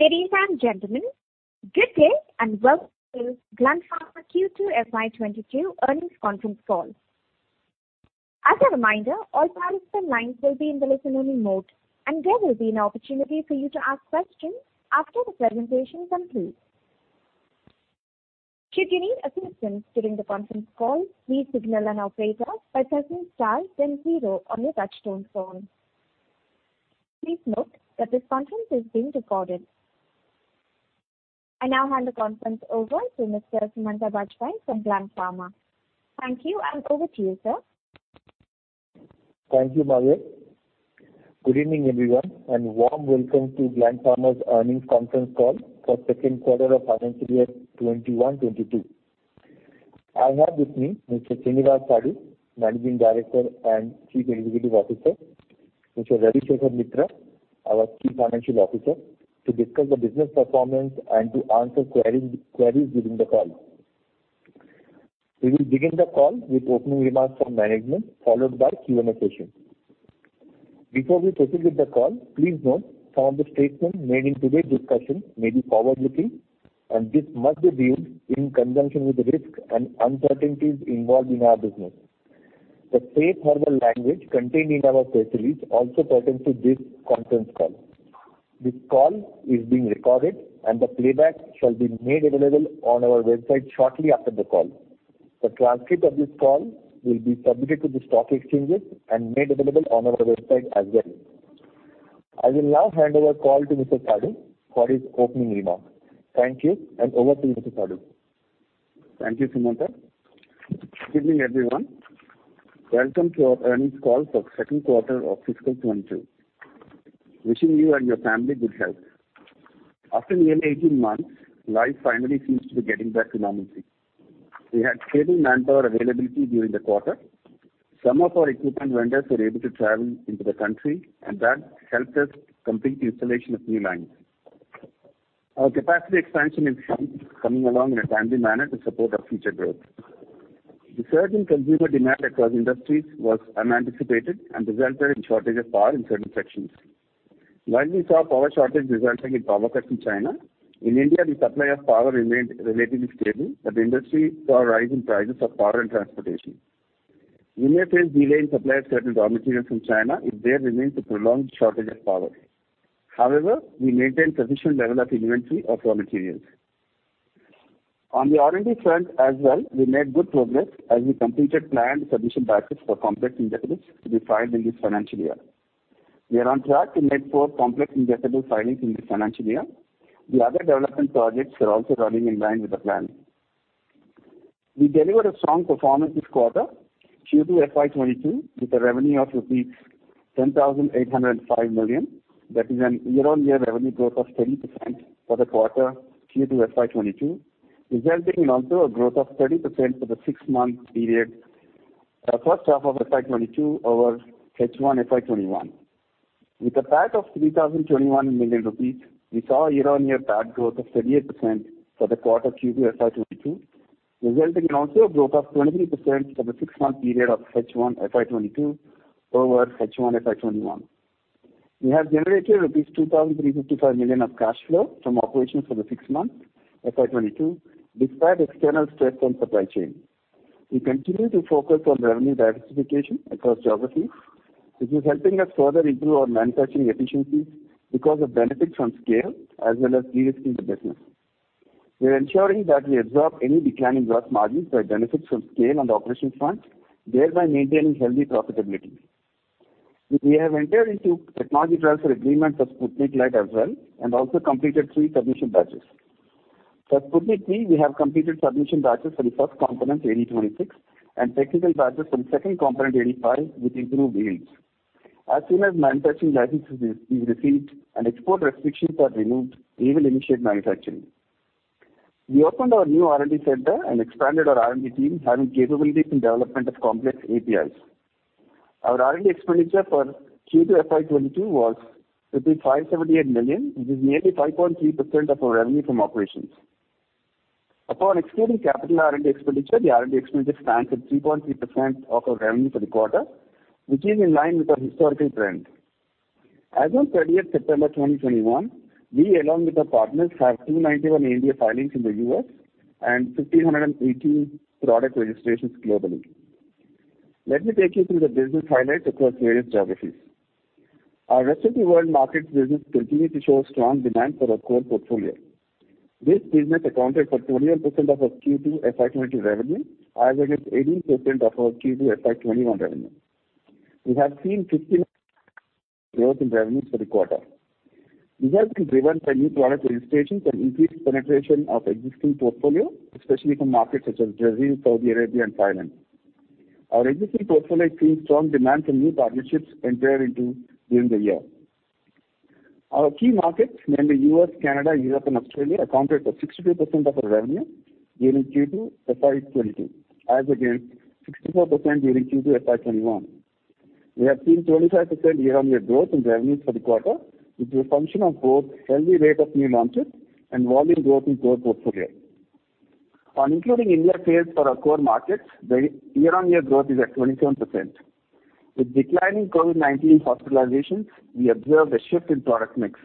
Ladies and gentlemen, good day and welcome to Gland Pharma Q2 FY22 earnings conference call. As a reminder, all participant lines will be in the listen-only mode, and there will be an opportunity for you to ask questions after the presentation is complete. Should you need assistance during the conference call, please signal an operator by pressing star then zero on your touch-tone phone. Please note that this conference is being recorded. I now hand the conference over to Mr. Sumanta Bajpayee from Gland Pharma. Thank you, and over to you, sir. Thank you, Margaret. Good evening, everyone, and warm welcome to Gland Pharma's earnings conference call for Q2 of financial year 2021-2022. I have with me Mr. Srinivas Sadu, Managing Director and CEO, Mr. Ravi Shekhar Mitra, our CFO, to discuss the business performance and to answer queries during the call. We will begin the call with opening remarks from management, followed by Q&A session. Before we proceed with the call, please note some of the statements made in today's discussion may be forward-looking, and this must be viewed in conjunction with the risk and uncertainties involved in our business. The safe harbor language contained in our press release also pertains to this conference call. This call is being recorded, and the playback shall be made available on our website shortly after the call. The transcript of this call will be submitted to the stock exchanges and made available on our website as well. I will now hand over call to Mr. Sadu for his opening remarks. Thank you, and over to you, Mr. Sadu. Thank you, Sumanta. Good evening, everyone. Welcome to our earnings call for Q2 of fiscal 2022. Wishing you and your family good health. After nearly 18 months, life finally seems to be getting back to normalcy. We had stable manpower availability during the quarter. Some of our equipment vendors were able to travel into the country, and that helped us complete installation of new lines. Our capacity expansion is coming along in a timely manner to support our future growth. The surge in consumer demand across industries was unanticipated and resulted in shortages of power in certain sections. While we saw power shortage resulting in power cuts in China, in India, the supply of power remained relatively stable, but industry saw a rise in prices of power and transportation. We may face delay in supply of certain raw materials from China if there remains a prolonged shortage of power. However, we maintain sufficient level of inventory of raw materials. On the R&D front as well, we made good progress as we completed planned submission batches for complex injectables to be filed in this financial year. We are on track to make four complex injectable filings in this financial year. The other development projects are also running in line with the plan. We delivered a strong performance this quarter, Q2 FY22, with a revenue of rupees 10,805 million. That is a year-on-year revenue growth of 30% for the quarter Q2 FY22, resulting in also a growth of 30% for the six-month period, our first half of FY22 over H1 FY21. With a PAT of 3,021 million rupees, we saw year-on-year PAT growth of 38% for the quarter Q2 FY22, resulting in also a growth of 23% for the six-month period of H1 FY22 over H1 FY21. We have generated rupees 2,355 million of cash flow from operations for the six months FY22, despite external stress on supply chain. We continue to focus on revenue diversification across geographies, which is helping us further improve our manufacturing efficiencies because of benefits from scale as well as de-risking the business. We're ensuring that we absorb any decline in gross margins by benefits from scale on the operations front, thereby maintaining healthy profitability. We have entered into technology transfer agreement for Sputnik Light as well and also completed three submission batches. For Sputnik V, we have completed submission batches for the first component, AD26, and technical batches for the second component, AD5, with improved yields. As soon as manufacturing licenses is received and export restrictions are removed, we will initiate manufacturing. We opened our new R&D center and expanded our R&D team having capability in development of complex APIs. Our R&D expenditure for Q2 FY22 was 578 million, which is nearly 5.3% of our revenue from operations. Upon excluding capital R&D expenditure, the R&D expenditure stands at 3.3% of our revenue for the quarter, which is in line with our historical trend. As on thirtieth September 2021, we along with our partners have 291 NDA filings in the U.S. and 1,580 product registrations globally. Let me take you through the business highlights across various geographies. Our rest-of-the-world markets business continued to show strong demand for our core portfolio. This segment accounted for 21% of our Q2 FY22 revenue as against 18% of our Q2 FY21 revenue. We have seen 15% growth in revenues for the quarter. This has been driven by new product registrations and increased penetration of existing portfolio, especially from markets such as Brazil, Saudi Arabia, and Thailand. Our existing portfolio is seeing strong demand from new partnerships entered into during the year. Our key markets, namely U.S., Canada, Europe, and Australia, accounted for 62% of our revenue during Q2 FY22 as against 64% during Q2 FY21. We have seen 25% year-on-year growth in revenues for the quarter, which is a function of both healthy rate of new launches and volume growth in core portfolioOn including India sales for our core markets, the year-on-year growth is at 27%. With declining COVID-19 hospitalizations, we observed a shift in product mix.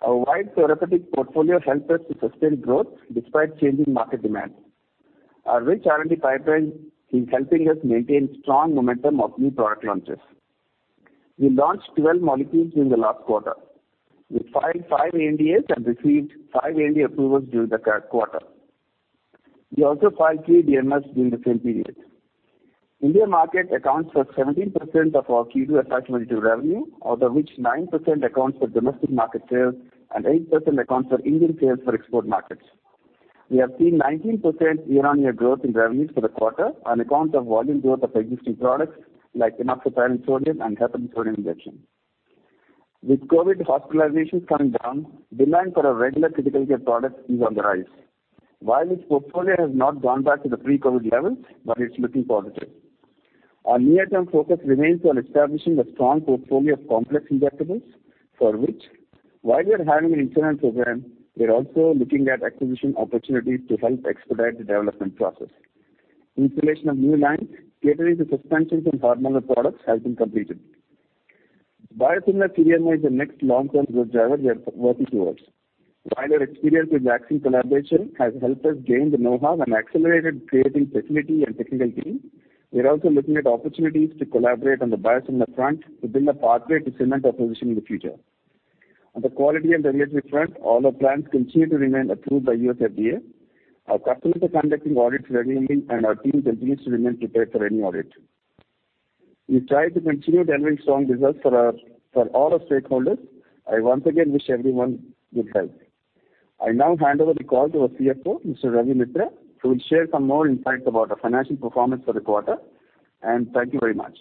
Our wide therapeutic portfolio helped us to sustain growth despite changing market demand. Our rich R&D pipeline is helping us maintain strong momentum of new product launches. We launched 12 molecules in the last quarter. We filed 5 ANDAs and received 5 ANDA approvals during the quarter. We also filed three DMFs during the same period. India market accounts for 17% of our Q2 attach [momento revenue], out of which 9% accounts for domestic market sales and 8% accounts for Indian sales for export markets. We have seen 19% year-on-year growth in revenues for the quarter on account of volume growth of existing products like enoxaparin sodium and heparin sodium injection. With COVID hospitalizations coming down, demand for our regular critical care products is on the rise. This portfolio has not gone back to the pre-COVID levels, but it's looking positive. Our near-term focus remains on establishing a strong portfolio of complex injectables, for which, while we are having an internal program, we're also looking at acquisition opportunities to help expedite the development process. Installation of new line catering to suspensions and hormonal products has been completed. Biosimilar API is the next long-term growth driver we are working towards. While our experience with vaccine collaboration has helped us gain the knowhow and accelerated creating facility and technical team, we are also looking at opportunities to collaborate on the biosimilar front to build a pathway to cement our position in the future. On the quality and regulatory front, all our plants continue to remain approved by USFDA. Our customers are conducting audits regularly, and our team continues to remain prepared for any audit. We try to continue delivering strong results for all our stakeholders. I once again wish everyone good health. I now hand over the call to our CFO, Mr. Ravi Mitra, who will share some more insights about our financial performance for the quarter. Thank you very much.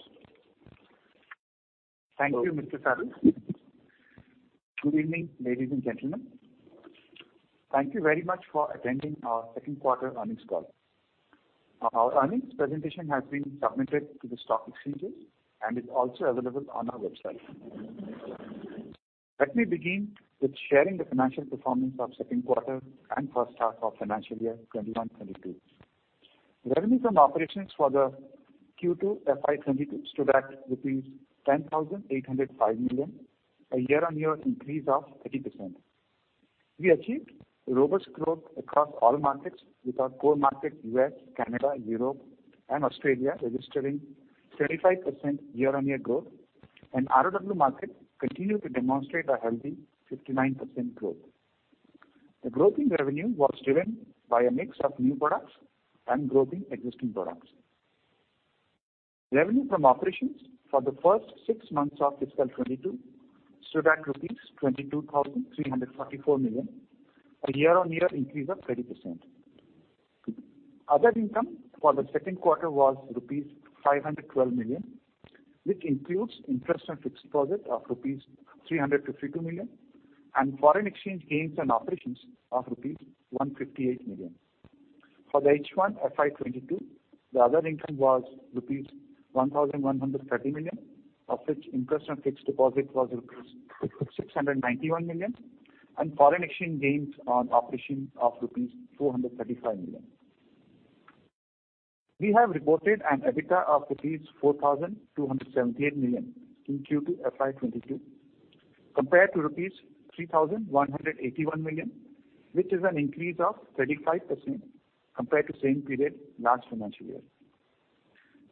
Thank you, Mr. Srinivas Sadu. Good evening, ladies and gentlemen. Thank you very much for attending our Q2 earnings call. Our earnings presentation has been submitted to the stock exchanges and is also available on our website. Let me begin with sharing the financial performance of Q2 and first half of Financial Year 2021/2022. Revenues from operations for the Q2 FY22 stood at INR 10,805 million, a year-on-year increase of 30%. We achieved robust growth across all markets, with our core market, U.S., Canada, Europe, and Australia registering 25% year-on-year growth, and ROW market continued to demonstrate a healthy 59% growth. The growth in revenue was driven by a mix of new products and growth in existing products. Revenue from operations for the first six months of FY 2022 stood at rupees 22,334 million, a year-on-year increase of 30%. Other income for the Q2 was rupees 512 million, which includes interest on fixed deposit of rupees 352 million and foreign exchange gains on operations of rupees 158 million. For the H1 FY22, the other income was rupees 1,130 million, of which interest on fixed deposit was rupees 691 million and foreign exchange gains on operations of rupees 435 million. We have reported an EBITDA of rupees 4,278 million in Q2 FY22 compared to rupees 3,181 million, which is an increase of 35% compared to same period last financial year.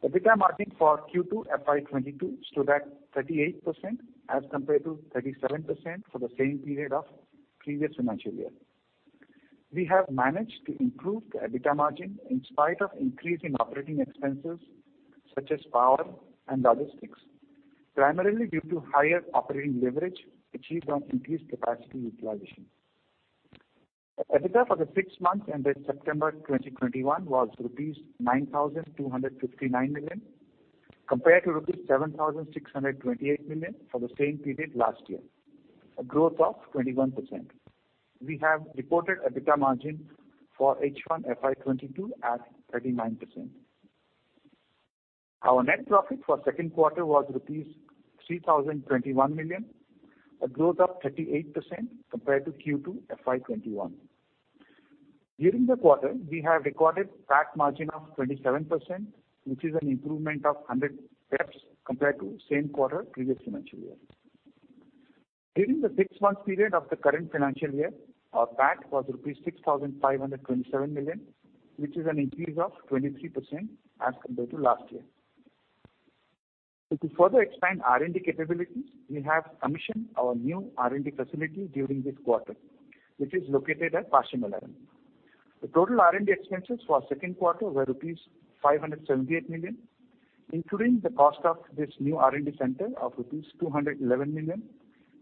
The EBITDA margin for Q2 FY22 stood at 38% as compared to 37% for the same period of previous financial year. We have managed to improve the EBITDA margin in spite of increase in operating expenses such as power and logistics, primarily due to higher operating leverage achieved on increased capacity utilization. The EBITDA for the six months ended September 2021 was rupees 9,259 million compared to rupees 7,628 million for the same period last year, a growth of 21%. We have reported EBITDA margin for H1 FY 2022 at 39%. Our net profit for Q2 was rupees 3,021 million, a growth of 38% compared to Q2 FY 2021. During the quarter, we have recorded PAT margin of 27%, which is an improvement of 100 bps compared to same quarter previous financial year. During the six-month period of the current financial year, our PAT was rupees 6,527 million, which is an increase of 23% as compared to last year. To further expand R&D capabilities, we have commissioned our new R&D facility during this quarter, which is located at Pashamylaram. The total R&D expenses for second quarter were rupees 578 million, including the cost of this new R&D center of rupees 211 million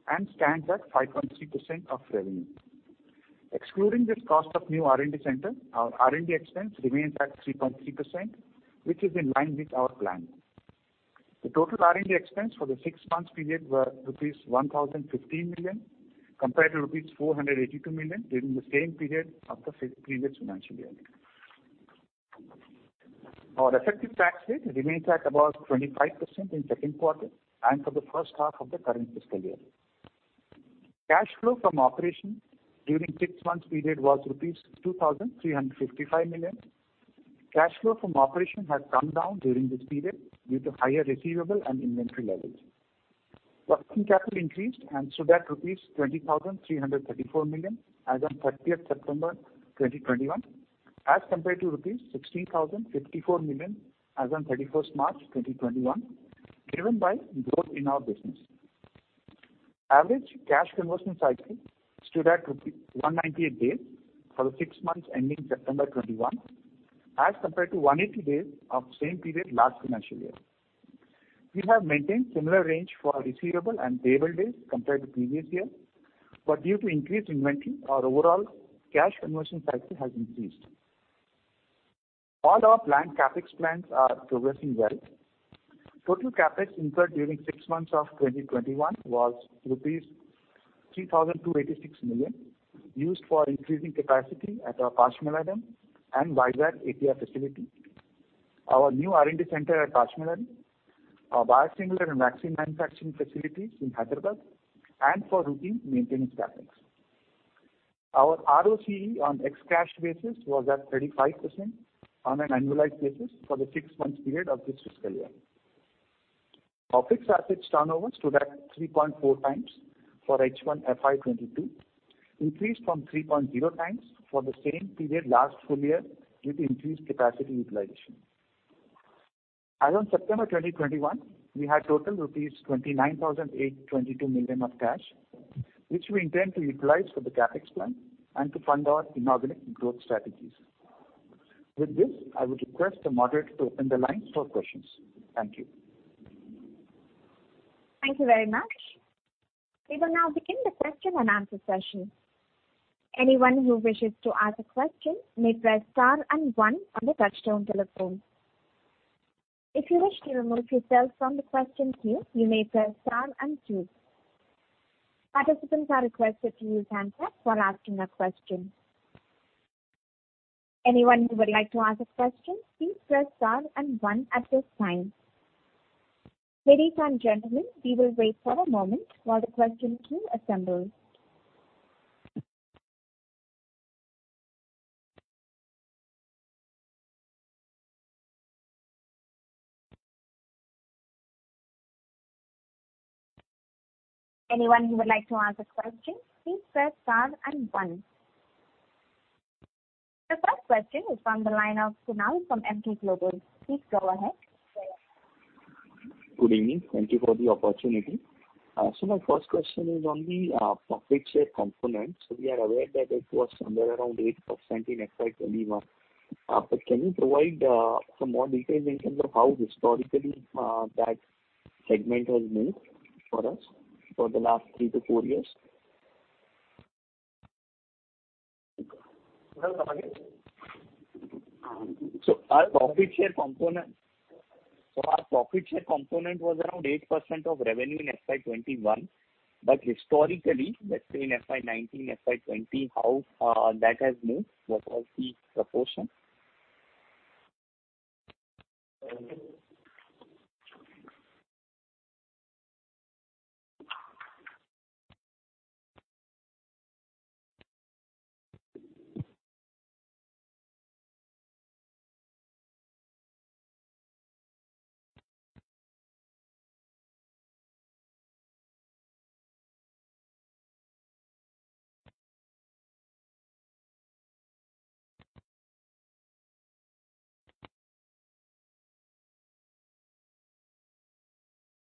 and stands at 5.3% of revenue. Excluding this cost of new R&D center, our R&D expense remains at 3.3%, which is in line with our plan. The total R&D expense for the six-month period were rupees 1,015 million compared to rupees 482 million during the same period of the previous financial year. Our effective tax rate remains at about 25% in second quarter and for the first half of the current fiscal year. Cash flow from operations during six-month period was rupees 2,355 million. Cash flow from operations has come down during this period due to higher receivables and inventory levels. Working capital increased and stood at rupees 20,334 million as on September 30, 2021, as compared to rupees 16,054 million as on March 31st 2021, driven by growth in our business. Average cash conversion cycle stood at 198 days for the 6 months ending September 2021, as compared to 180 days of same period last financial year. We have maintained similar range for receivable and payable days compared to previous year, but due to increased inventory, our overall cash conversion cycle has increased. All our planned CapEx plans are progressing well. Total CapEx incurred during 6 months of 2021 was rupees 3,286 million, used for increasing capacity at our Pashamylaram and Vizag API facility, our new R&D center at Pashamylaram, our biosimilar and vaccine manufacturing facilities in Hyderabad, and for routine maintenance CapEx. Our ROCE on ex-cash basis was at 35% on an annualized basis for the 6-month period of this fiscal year. Our fixed assets turnover stood at 3.4× for H1 FY 2022, increased from 3.0× for the same period last full year due to increased capacity utilization. As on September 2021, we had total rupees 29,822 million of cash, which we intend to utilize for the CapEx plan and to fund our inorganic growth strategies. With this, I would request the moderator to open the lines for questions. Thank you. The first question is from the line of Sonal from Emkay Global. Please go ahead. Good evening. Thank you for the opportunity. My first question is on the profit share component. We are aware that it was somewhere around eight percent in FY 2021. Can you provide some more details in terms of how historically that segment has moved for us for the last three to four years? Our profit share component. Our profit share component was around eight percent of revenue in FY 2021, but historically, let's say in FY 2019, FY 2020, how that has moved. What was the proportion?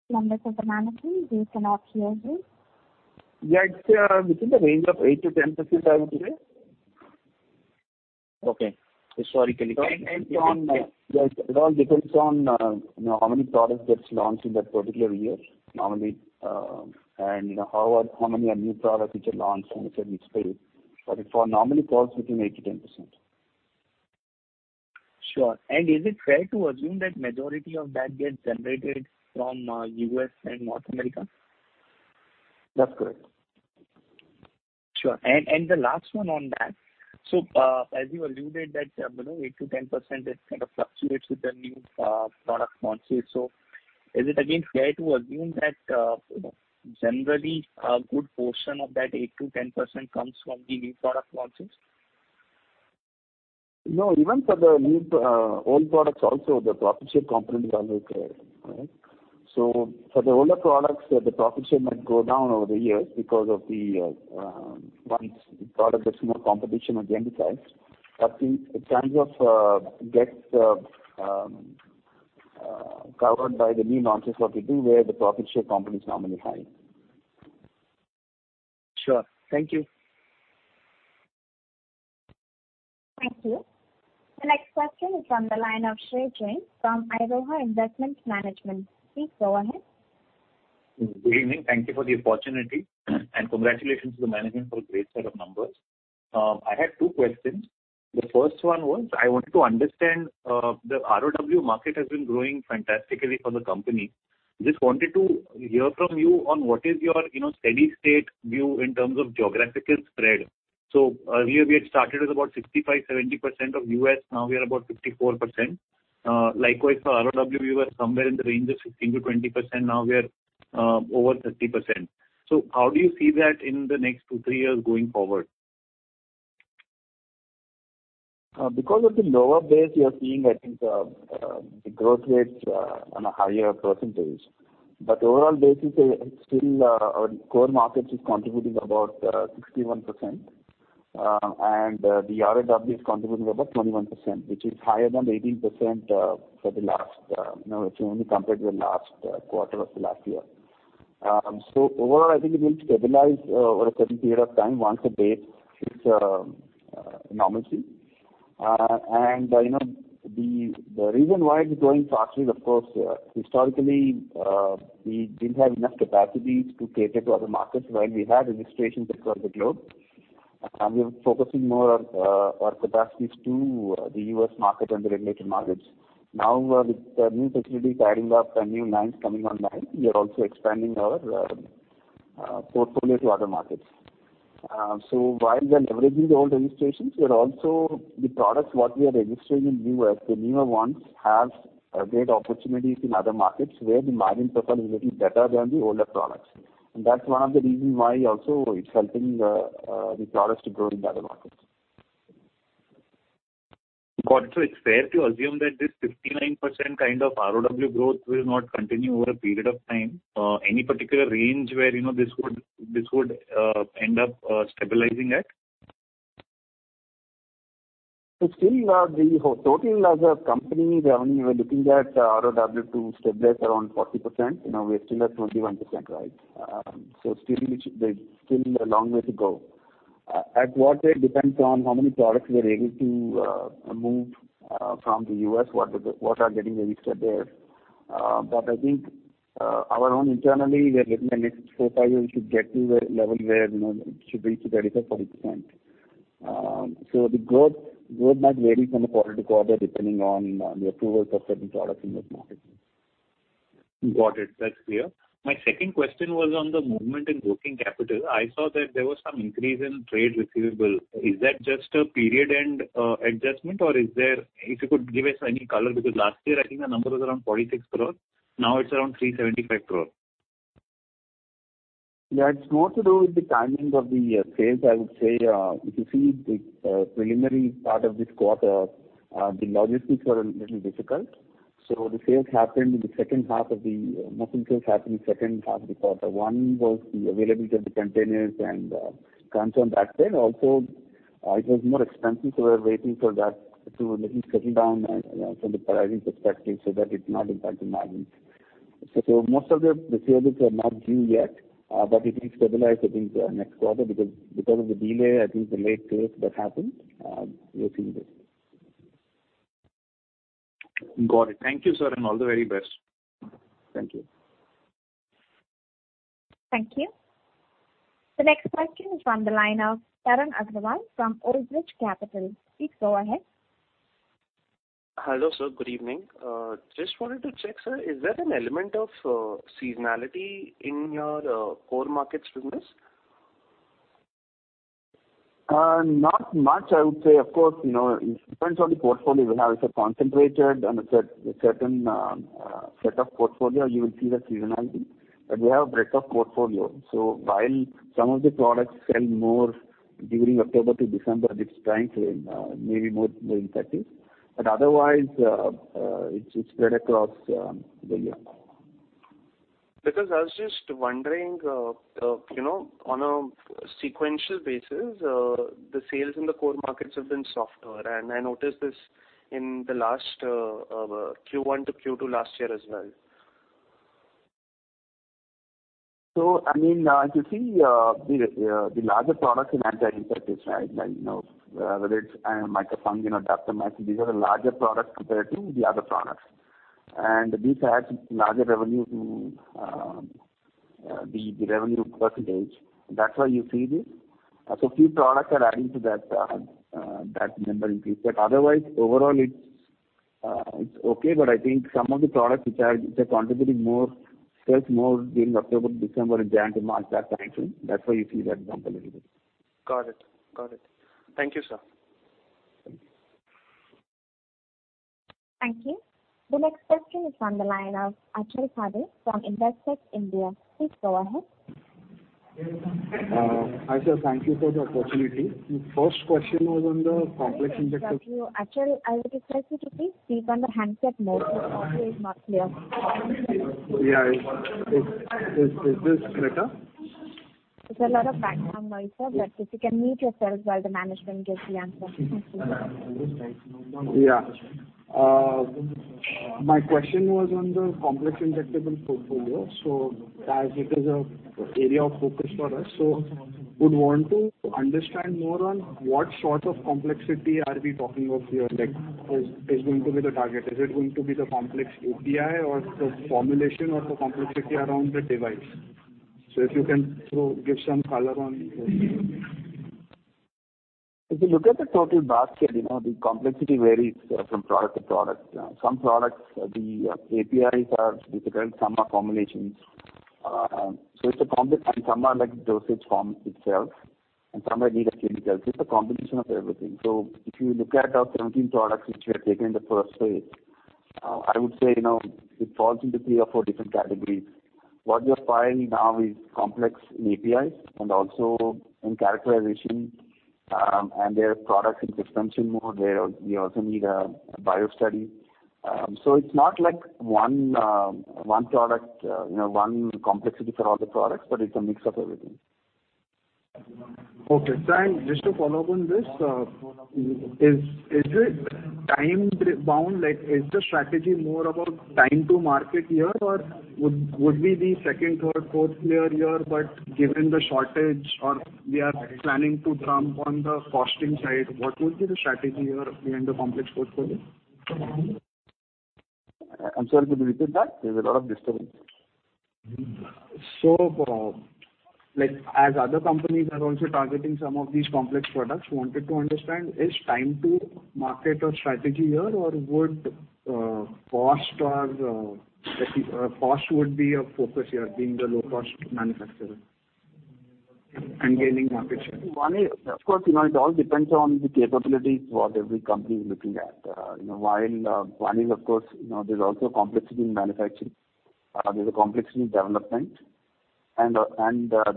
Members of the management, we cannot hear you. Yeah, it's within the range of eight-10 percent, I would say. Okay. It all depends on how many products gets launched in that particular year, normally. How many new products which are launched in a certain space. It normally falls between eight-10 percent. Sure. Is it fair to assume that majority of that gets generated from U.S. and North America? That's correct. Sure. The last one on that. As you alluded that 8%-10%, it kind of fluctuates with the new product launches. Is it again fair to assume that, generally, a good portion of that 8%-10% comes from the new product launches? Even for the old products also, the profit share component is always there. For the older products, the profit share might go down over the years because once the product, there's more competition at the end of time. It kind of gets covered by the new launches what we do, where the profit share component is normally high. Sure. Thank you. Thank you. The next question is from the line of Runjhun Jain from Iroha Investment Management. Please go ahead. Good evening. Thank you for the opportunity, congratulations to the management for a great set of numbers. I had two questions. The first one was, I wanted to understand, the ROW market has been growing fantastically for the company. Just wanted to hear from you on what is your steady state view in terms of geographical spread. Earlier we had started with about 65%-70% of U.S., now we are about 54%. Likewise, for ROW, we were somewhere in the range of 15%-20%. Now we are over 30%. How do you see that in the next two, three years going forward? Because of the lower base we are seeing, I think the growth rates on a higher percentage. Overall base is still our core markets is contributing about 61%, and the ROW is contributing about 21%, which is higher than 18% if you only compare to the last quarter of the last year. Overall, I think it will stabilize over a certain period of time once the base hits normalcy. The reason why it is growing fast is, of course, historically, we didn't have enough capacities to cater to other markets while we had registrations across the globe. We were focusing more on our capacities to the U.S. market and the regulated markets. Now, with the new facilities adding up and new lines coming online, we are also expanding our portfolio to other markets. While we are leveraging the old registrations, the products that we are registering in U.S., the newer ones, have great opportunities in other markets where the margin profile is little better than the older products. That's one of the reasons why also it's helping the products to grow in the other markets. Got it. It's fair to assume that this 59% kind of ROW growth will not continue over a period of time. Any particular range where this would end up stabilizing at? Still, totally as a company, we're looking at ROW to stabilize around 40%. We are still at 21%, right? Still a long way to go. At what rate depends on how many products we're able to move from the U.S., what are getting registered there. I think our own internally, we are looking at next four, five years to get to the level where it should be 35%-40%. The growth might vary from quarter to quarter, depending on the approvals of certain products in those markets. Got it. That's clear. My second question was on the movement in working capital. I saw that there was some increase in trade receivable. Is that just a period end adjustment, if you could give us any color, because last year, I think the number was around ₹46 crores. Now it's around ₹375 crores. Yeah, it's more to do with the timings of the sales. I would say, if you see the preliminary part of this quarter, the logistics were a little difficult. Most sales happened in the second half of the quarter. One was the availability of the containers and transport back then. Also, it was more expensive, so we were waiting for that to at least settle down from the pricing perspective so that it not impact the margins. Most of the receivables are not due yet, but it will stabilize, I think, next quarter because of the delay. I think the late sales that happened, we are seeing this. Got it. Thank you, sir, and all the very best. Thank you. Thank you. The next question is on the line of Tarang Agrawal from Old Bridge Capital. Please go ahead. Hello, sir. Good evening. Just wanted to check, sir. Is there an element of seasonality in your core markets business? Not much, I would say. Of course, it depends on the portfolio. If you have a concentrated and a certain set of portfolio, you will see the seasonality. We have breadth of portfolio. While some of the products sell more during October to December, this time frame may be more effective. Otherwise, it's spread across the year. I was just wondering, on a sequential basis, the sales in the core markets have been softer. I noticed this in the last Q1 to Q2 last year as well. If you see the larger products in anti-infective, right? Whether it's miconazole or daptomycin, these are the larger products compared to the other products. These add larger revenue to the revenue percentage. That's why you see this. Few products are adding to that number increase. Otherwise, overall it's okay. I think some of the products which are contributing more sales during October to December and January to March, that time frame. That's why you see that bump a little bit. Got it. Thank you, sir. Thank you. Thank you. The next question is on the line of Achal Bhade from Investec India. Please go ahead. Hi, sir. Thank you for the opportunity. First question was on the complex injectable- Achal, I would request you to please speak on the handset more. Your audio is not clear. Yeah. Is this better? There's a lot of background noise, sir, but if you can mute yourself while the management gives the answer. Thank you. Yeah. My question was on the complex injectable portfolio. As it is an area of focus for us, would want to understand more on what sort of complexity are we talking of here? Like, is going to be the target? Is it going to be the complex API or the formulation or the complexity around the device? If you can give some color on this? If you look at the total basket, the complexity varies from product to product. Some products, the APIs are difficult, some are formulations. It's a combination. Some are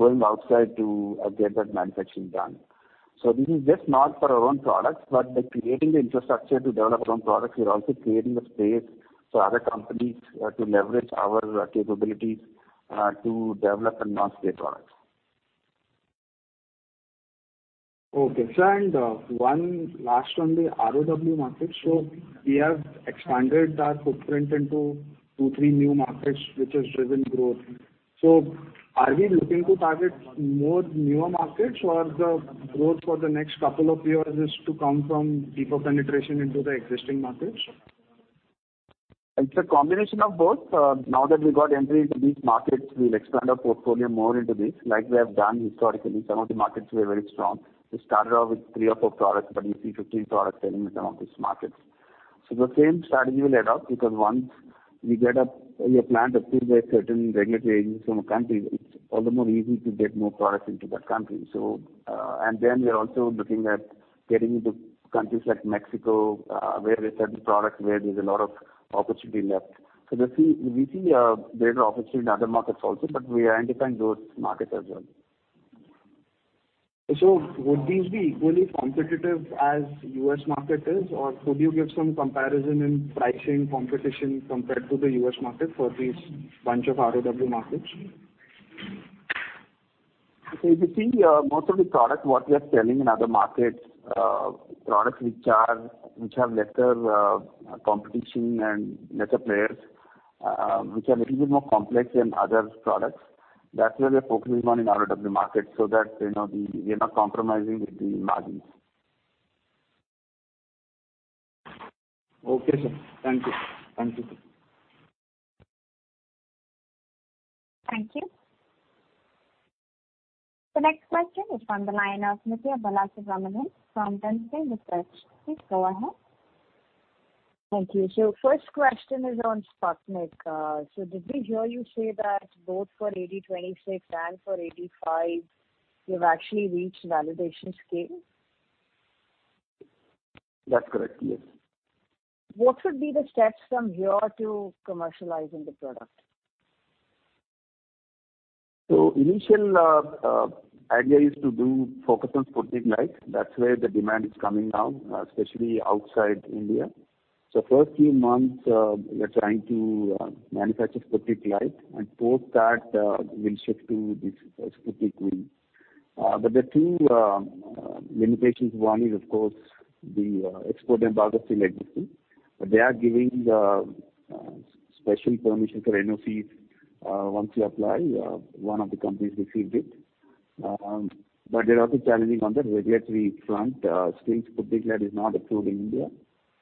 dosage form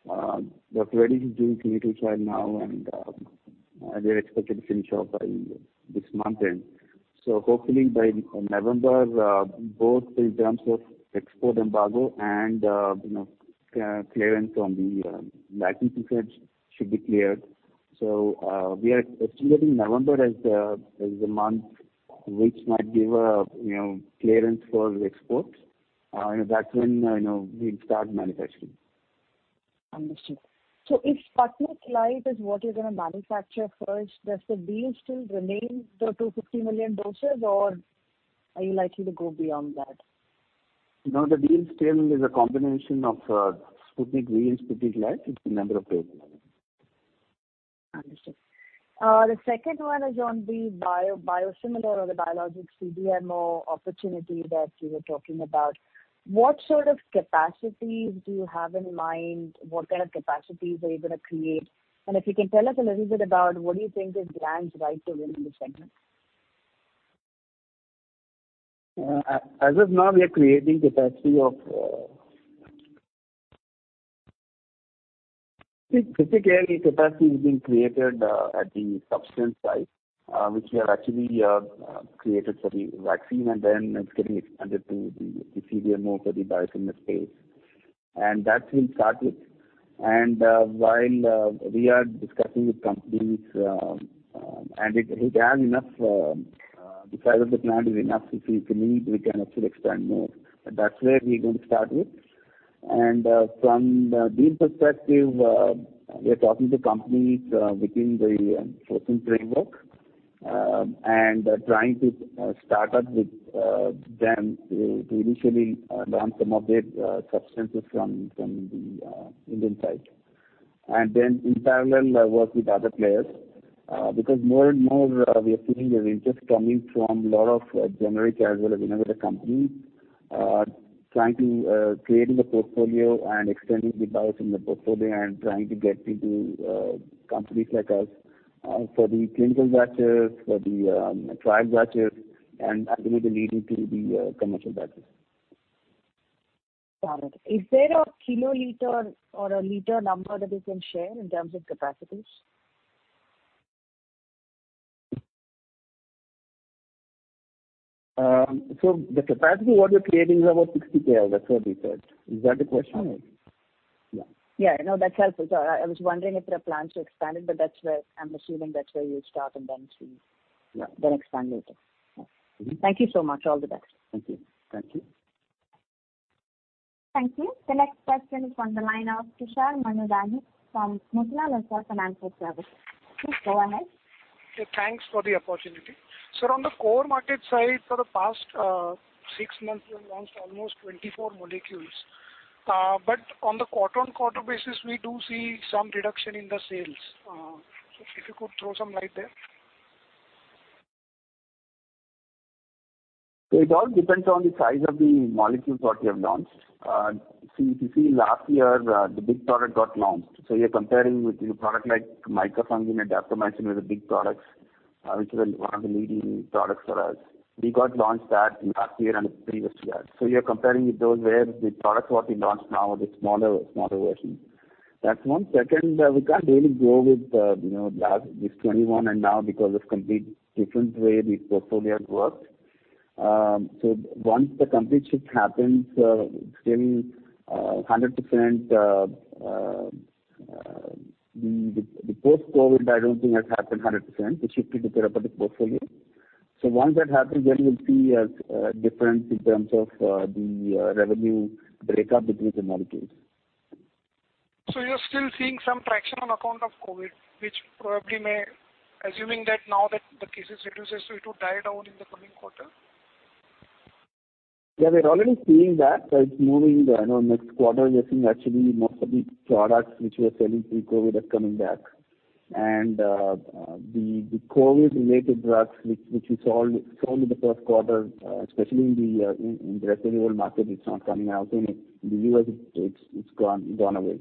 itself. As of now, we are creating capacity of I think 50K capacity is being created at the substance side, which we have actually created for the vaccine, then it's getting expanded to the CDMO for the biologics space. That we'll start with. While we are discussing with companies, if the size of the plant is enough, if we need, we can actually expand more. That's where we're going to start with. From deal perspective, we are talking to companies within the chosen framework, trying to start up with them to initially run some of their substances from the Indian side. Then in parallel, work with other players. More and more, we are seeing the interest coming from a lot of generic as well as innovative companies, trying to create the portfolio and extending the biologics in the portfolio and trying to get into companies like us for the clinical batches, for the trial batches, and that will be leading to the commercial batches. Got it. Is there a kiloliter or a liter number that you can share in terms of capacities? The capacity what we're creating is about 60K, that's what we said. Is that the question? Yeah. No, that's helpful. I was wondering if there are plans to expand it, but I'm assuming that's where you'll start and then see. Yeah. Expand later. Thank you so much. All the best. Thank you. Thank you. The next question is on the line of Tushar Manudhane from Motilal Oswal Financial Services. Please go ahead. Thanks for the opportunity. Sir, on the core market side, for the past six months, you have launched almost 24 molecules. On the quarter-on-quarter basis, we do see some reduction in the sales. If you could throw some light there. It all depends on the size of the molecules what we have launched. If you see last year, the big product got launched. You're comparing with a product like micafungin and daptomycin were the big products, which were one of the leading products for us. We got launched that last year and the previous year. You're comparing with those where the products what we launched now are the smaller version. That's one. Second, we can't really go with this FY 2021 and now because it's complete different way the portfolio has worked. Once the complete shift happens, still 100%. The post-COVID, I don't think has happened 100%, the shifting to therapeutic portfolio. Once that happens, then you'll see a difference in terms of the revenue breakup between the molecules. You're still seeing some traction on account of COVID, which probably may, assuming that now that the cases reduce, so it would die down in the coming quarter? Yeah, we're already seeing that as it's moving. I know next quarter, we are seeing actually most of the products which we were selling pre-COVID are coming back. The COVID-related drugs, which we sold in the first quarter, especially in the rest of the world market, it's not coming out. In the U.S., it's gone away.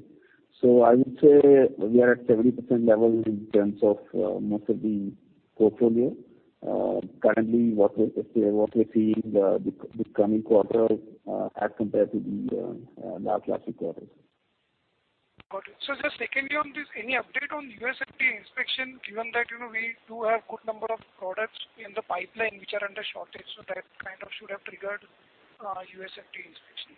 I would say we are at 70% level in terms of most of the portfolio. Currently, what we're seeing this coming quarter as compared to the last few quarters. Got it. Just secondly on this, any update on U.S. FDA inspection, given that we do have good number of products in the pipeline which are under shortage, so that kind of should have triggered U.S. FDA inspection.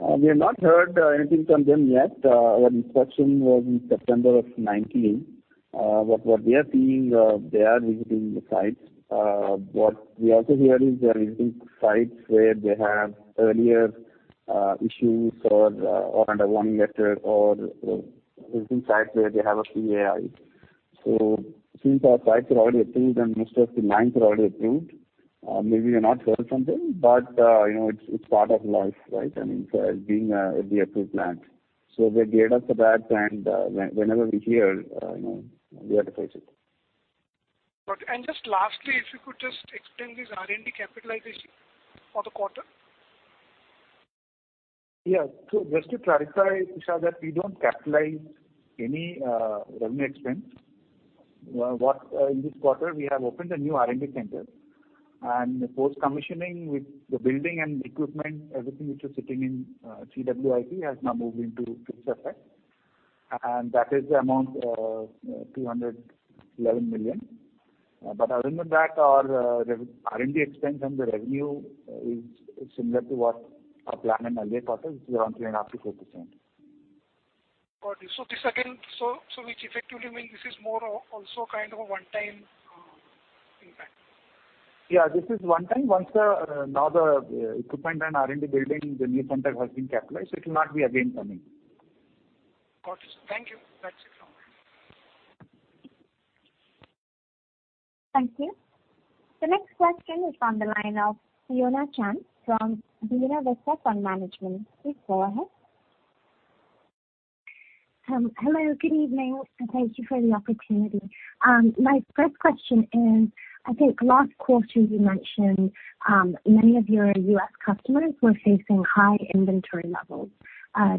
We have not heard anything from them yet. Our inspection was in September of 2019. What we are seeing, they are visiting the sites. What we also hear is they are visiting sites where they have earlier issues or under one letter, or visiting sites where they have a 483. Since our sites are already approved and most of the lines are already approved, maybe we have not heard from them. It's part of life, right? I mean, being a FDA approved plant. They gave us the batch, and whenever we hear, we have to face it. Got it. Just lastly, if you could just explain this R&D capitalization for the quarter? Just to clarify, Tushar, that we don't capitalize any revenue expense. In this quarter, we have opened a new R&D center. Post-commissioning with the building and equipment, everything which was sitting in CWIP has now moved into fixed asset. That is the amount, 211 million. Other than that, our R&D expense on the revenue is similar to what our plan in earlier quarter, which is around three and a half-four percent. Got it. Which effectively means this is more of also kind of a one-time impact. Yeah, this is one time. Once now the equipment and R&D building, the new center has been capitalized, so it will not be again coming. Got it. Thank you. That's it from me. Thank you. The next question is on the line of Fiona Chan from Nomura Asset Management. Please go ahead. Hello, good evening. Thank you for the opportunity. My first question is, I think last quarter you mentioned, many of your U.S. customers were facing high inventory levels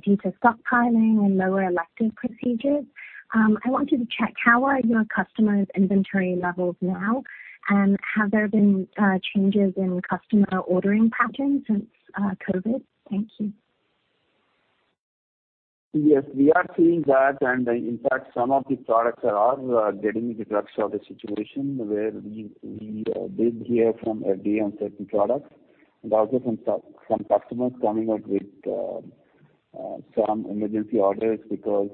due to stockpiling and lower elective procedures. I wanted to check, how are your customers' inventory levels now, and have there been changes in customer ordering patterns since COVID? Thank you. Yes, we are seeing that. In fact, some of the products are getting the benefits of the situation where we did hear from a GPO certain products, and also from some customers coming up with some emergency orders, because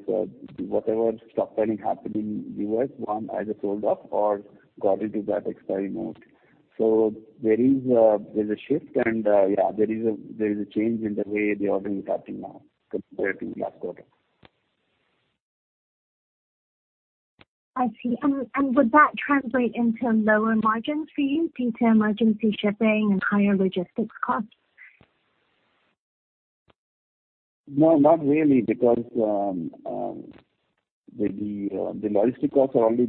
whatever stockpiling happened in the U.S., one either sold off or got into that expiry mode. There's a shift, and there is a change in the way the ordering is happening now compared to last quarter. I see. Would that translate into lower margins for you due to emergency shipping and higher logistics costs? No, not really, because the logistic costs are only.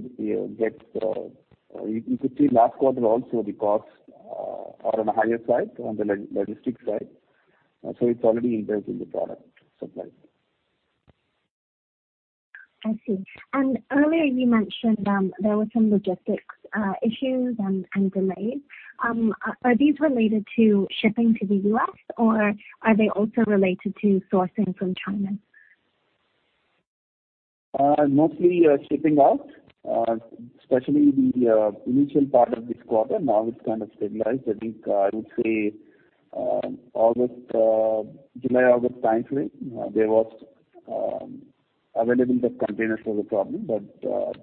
You could see last quarter also, the costs are on the higher side on the logistics side. It's already inbuilt in the product supply. I see. Earlier you mentioned there were some logistics issues and delays. Are these related to shipping to the U.S., or are they also related to sourcing from China? Mostly shipping out, especially the initial part of this quarter. Now it's kind of stabilized. I think I would say July, August timeframe, there was availability of containers was a problem.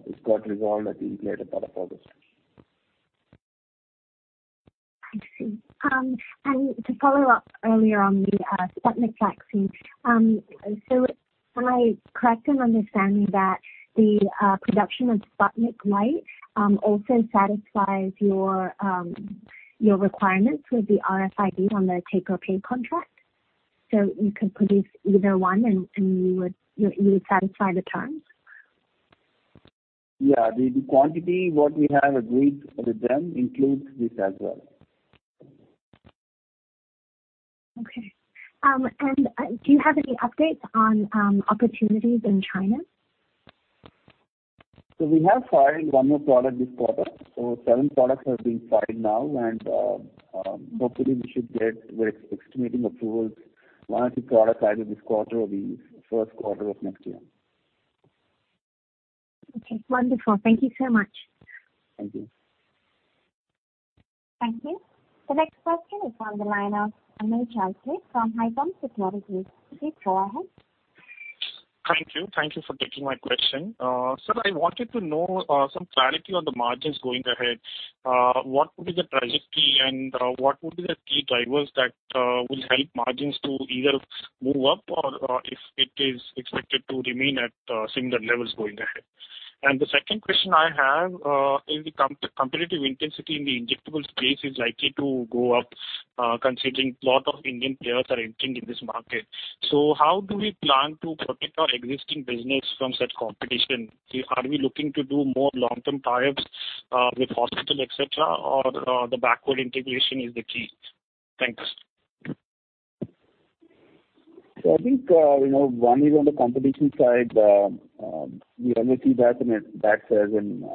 It got resolved, I think, later part of August. I see. To follow up earlier on the Sputnik vaccine. Am I correct in understanding that the production of Sputnik Light also satisfies your requirements with the RDIF on the take-or-pay contract? You could produce either one, and you would satisfy the terms? Yeah. The quantity what we have agreed with them includes this as well. Okay. Do you have any updates on opportunities in China? We have filed one more product this quarter. Seven products have been filed now. Hopefully, we're estimating approvals for one or two products either this quarter or the Q1 of next year. Okay. Wonderful. Thank you so much. Thank you. Thank you. The next question is on the line of Anil Chaurasia from HDFC Securities. Please go ahead. Thank you. Thank you for taking my question. Sir, I wanted to know some clarity on the margins going ahead. What would be the trajectory and what would be the key drivers that will help margins to either move up or if it is expected to remain at similar levels going ahead? The second question I have, is the competitive intensity in the injectables space is likely to go up considering lot of Indian players are entering in this market. How do we plan to protect our existing business from such competition? Are we looking to do more long-term tie-ups with hospitals, et cetera, or the backward integration is the key? Thanks. I think, one is on the competition side. We always see that as an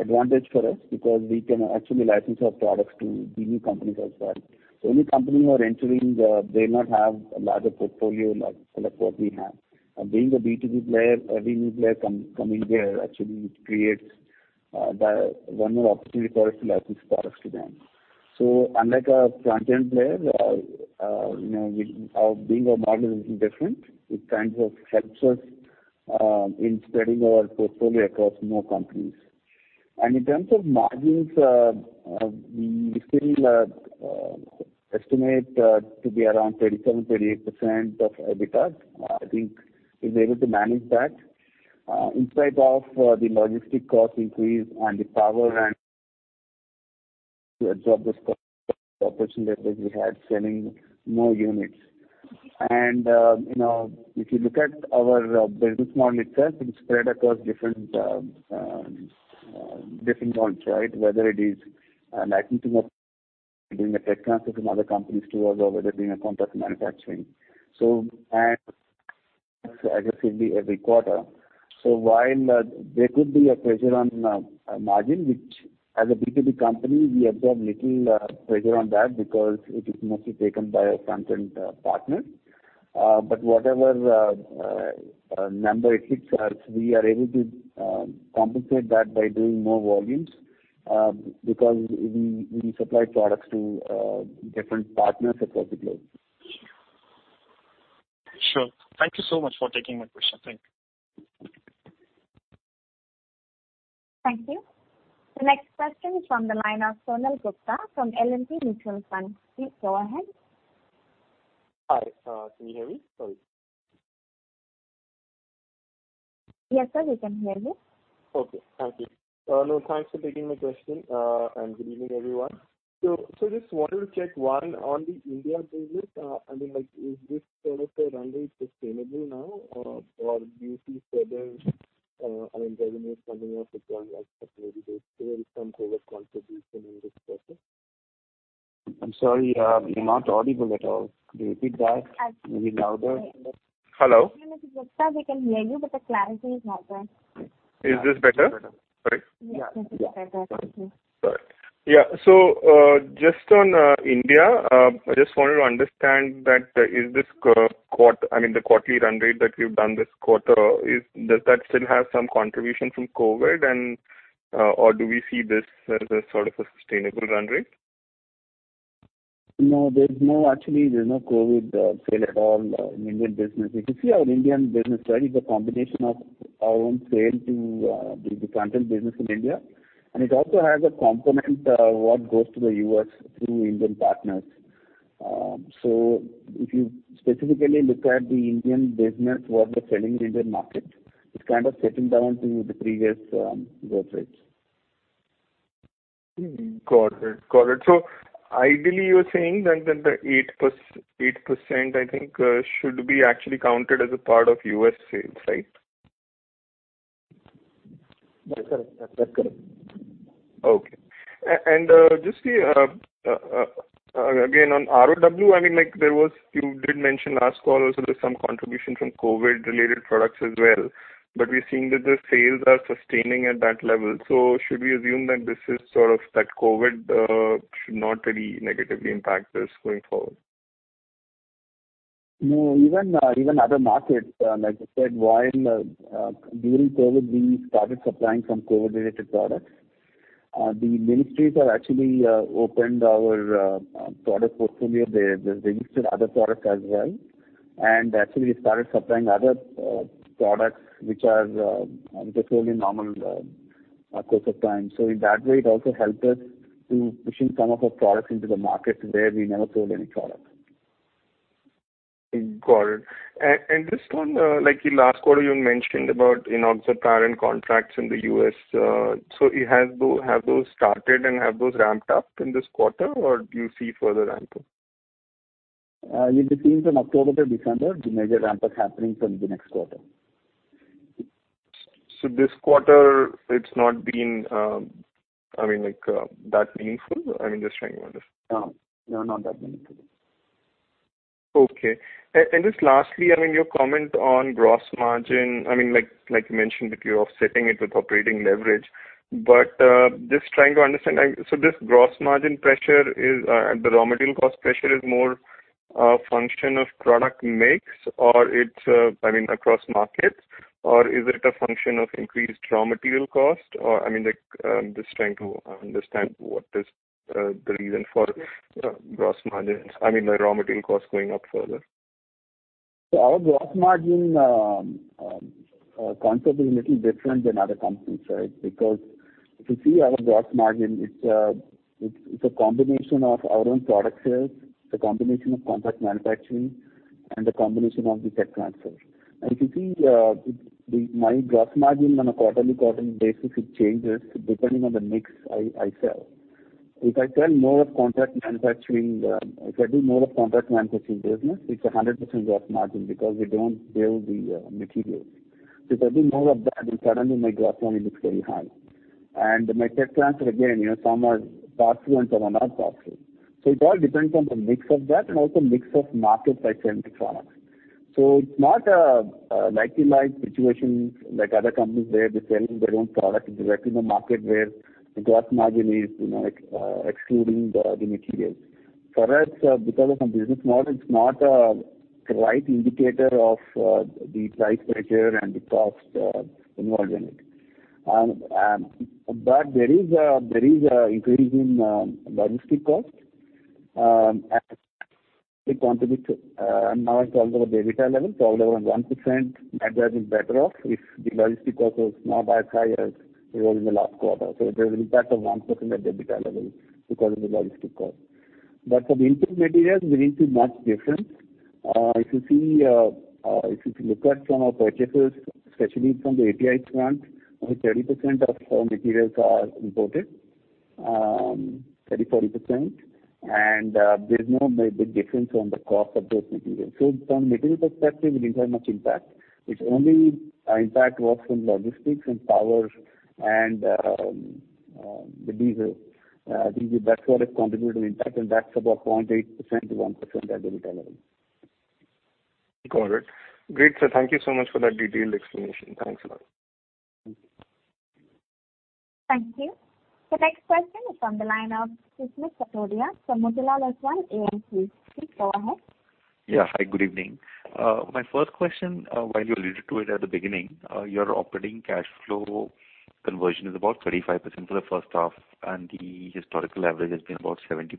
advantage for us because we can actually license our products to the new companies as well. Any company who are entering, they not have a larger portfolio like what we have. Being a B2B player, every new player coming there actually it creates one more opportunity for us to license products to them. Unlike a front-end player, our being our model is little different. It kind of helps us in spreading our portfolio across more companies. In terms of margins, we still estimate to be around 37%-38% of EBITDA. I think we're able to manage that. In spite of the logistic cost increase and the power and to absorb this cost opportunity that we had selling more units. If you look at our business model itself, it's spread across different fronts. Whether it is licensing of doing a tech transfer from other companies to us, or whether it being a contract manufacturing. Aggressively every quarter. While there could be a pressure on margin, which as a B2B company, we absorb little pressure on that because it is mostly taken by our front-end partner. Whatever number it hits us, we are able to compensate that by doing more volumes, because we supply products to different partners across the globe. Sure. Thank you so much for taking my question. Thank you. Thank you. The next question is from the line of Sonal Gupta from L&T Mutual Fund. Please go ahead. Hi, can you hear me? Sorry. Yes, sir. We can hear you. Okay. Thank you. Hello. Thanks for taking my question, and good evening, everyone. Just wanted to check one on the India business. Is this kind of a runway sustainable now? Or do you see further revenue coming up contribution in this quarter? I'm sorry. You're not audible at all. Could you repeat that maybe louder? Hello We can hear you, but the clarity is not there. Is this better? Yes, this is better. Thank you. All right. Yeah. Just on India, I just wanted to understand that, is this quarter, I mean the quarterly run rate that you've done this quarter, does that still have some contribution from COVID, or do we see this as a sort of a sustainable run rate? No. Actually, there's no COVID sale at all in Indian business. If you see our Indian business, right, it's a combination of our own sale to the plantain business in India, and it also has a component what goes to the U.S. through Indian partners. If you specifically look at the Indian business, what we're selling in Indian market, it's kind of settling down to the previous growth rates. Got it. Ideally, you're saying that the 8%, I think, should be actually counted as a part of U.S. sales, right? That's correct. Okay. Just again, on ROW, you did mention last quarter also there is some contribution from COVID related products as well, but we are seeing that the sales are sustaining at that level. Should we assume that COVID should not really negatively impact this going forward? Even other markets, like I said, during COVID, we started supplying some COVID-related products. The ministries have actually opened our product portfolio. They registered other products as well. Actually we started supplying other products which are just totally normal course of time. In that way, it also helped us to pushing some of our products into the market where we never sold any product. Got it. Just on, like last quarter you mentioned about enoxaparin contracts in the U.S. Have those started and have those ramped up in this quarter, or do you see further ramping? It between from October to December. The major ramp up happening from the next quarter. This quarter it's not been that meaningful? I'm just trying to understand. No, not that meaningful. Okay. Just lastly, your comment on gross margin. Like you mentioned, you're offsetting it with operating leverage. Just trying to understand, this gross margin pressure, the raw material cost pressure is more a function of product mix, I mean, across markets? Or is it a function of increased raw material cost? I'm just trying to understand what is the reason for gross margin, I mean, the raw material cost going up further. Our gross margin concept is little different than other companies, right? If you see our gross margin, it's a combination of our own product sales, it's a combination of contract manufacturing, and a combination of the tech transfer. If you see, my gross margin on a quarterly basis, it changes depending on the mix I sell. If I do more of contract manufacturing business, it's 100% gross margin because we don't build the materials. If I do more of that, then suddenly my gross margin looks very high. My tech transfer again, some are profitable and some are not profitable. It all depends on the mix of that and also mix of markets I sell the products. It's not a like two like situation like other companies where they're selling their own product directly in the market where the gross margin is excluding the materials. For us, because of our business model, it's not a right indicator of the price pressure and the cost involved in it. There is a increase in logistic cost. It contributes, now it's all over EBITDA level, probably around 1%. Net margin is better off if the logistic cost was not as high as it was in the last quarter. There's an impact of 1% at EBITDA level because of the logistic cost. For the input materials, we didn't see much difference. If you look at some of our purchasers, especially from the API front, 30% of our materials are imported, 30%-40%, and there's no big difference on the cost of those materials. From material perspective, it didn't have much impact. Its only impact was from logistics and power and the diesel. I think that's what has contributed impact, and that's about 0.8% to 1% at EBITDA level. Got it. Great, sir. Thank you so much for that detailed explanation. Thanks a lot. Thank you. The next question is on the line of Sumit Sathuria from Motilal Oswal. Please go ahead. Yeah. Hi, good evening. My first question, while you alluded to it at the beginning, your operating cash flow conversion is about 35% for the first half. The historical average has been about 70%.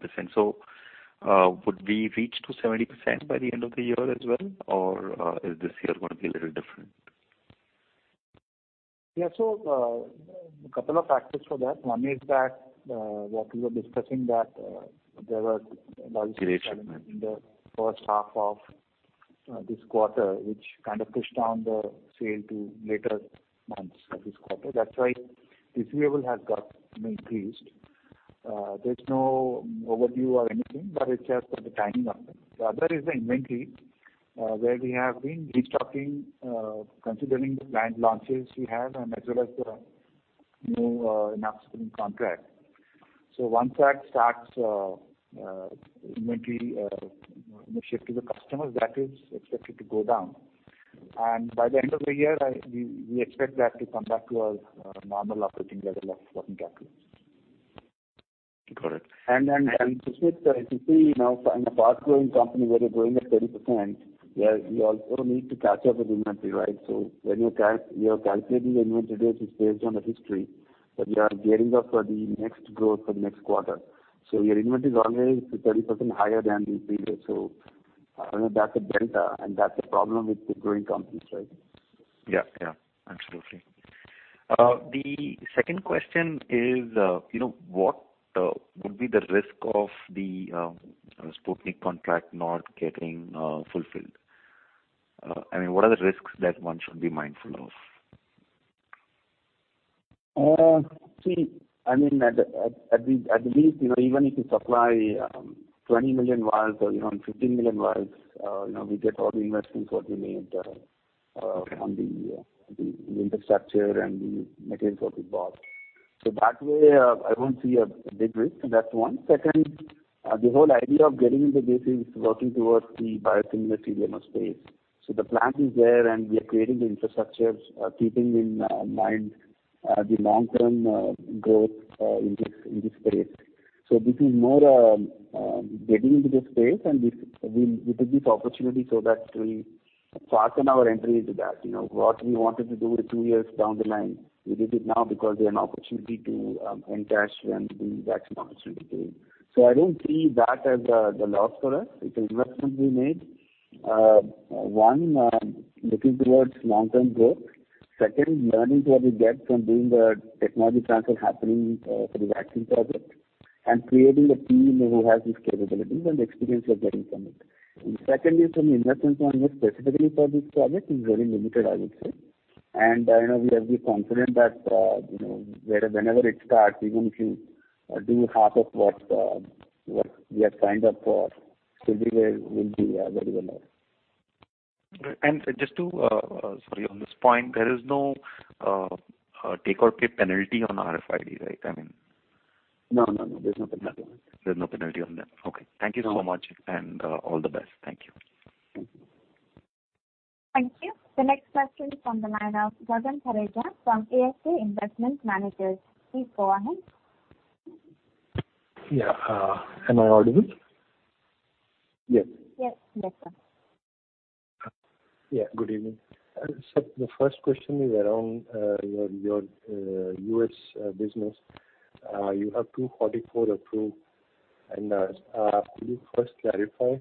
Would we reach to 70% by the end of the year as well, or is this year going to be a little different? Yeah. Couple of factors for that. One is that, what we were discussing, that there were logistic challenges in the first half of this quarter, which kind of pushed down the sale to later months of this quarter. That's why this year it has got increased. There's no overview or anything. It's just the timing of it. The other is the inventory, where we have been restocking, considering the planned launches we have and as well as the new enoxaparin contract. Once that starts inventory shift to the customers, that is expected to go down. By the end of the year, we expect that to come back to a normal operating level of working capital. Got it. Sushmit, if you see now, in a fast-growing company where you're growing at 30%, you also need to catch up with inventory, right? When you are calculating the inventory, which is based on the history, but you are gearing up for the next growth for the next quarter. Your inventory is always 30% higher than the previous. That's a delta, and that's a problem with the growing companies, right? Absolutely. The second question is, what would be the risk of the Sputnik contract not getting fulfilled? I mean, what are the risks that one should be mindful of? See, at least, even if you supply 20 million vials or even 15 million vials, we get all the investments what we made on the infrastructure and the materials what we bought. That way, I won't see a big risk. That's one. Second, the whole idea of getting into this is working towards the biosimilar CDMO space. The plant is there, and we are creating the infrastructure, keeping in mind the long-term growth in this space. This is more getting into the space, and we took this opportunity so that we fasten our entry into that. What we wanted to do two years down the line, we did it now because we had an opportunity to encash and do the vaccine opportunity. I don't see that as a loss for us. It's an investment we made. One, looking towards long-term growth. Second, learnings what we get from doing the technology transfer happening for the vaccine project, and creating a team who has this capability and the experience we are getting from it. Secondly, from investment point of view, specifically for this project, is very limited, I would say. I know we have the confidence that, whenever it starts, even if we do half of what we have signed up for, still we will be very well off. Just to Sorry, on this point, there is no take or pay penalty on RDIF, right? I mean. No, there's no penalty on it. There's no penalty on that. Okay. Thank you so much. No. All the best. Thank you. Thank you. Thank you. The next question is from the line of Gagan Thareja from ASK Investment Managers. Please go ahead. Yeah. Am I audible? Yes. Yes. Better. Yeah. Good evening. Sir, the first question is around your U.S. business. You have 244 approved ANDAs. Could you first clarify